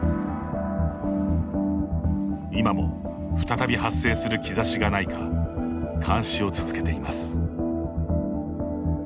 今も、再び発生する兆しがないか監視を続けています。